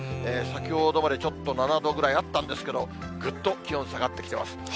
先ほどまでちょっと７度ぐらいあったんですけど、ぐっと気温下がってきています。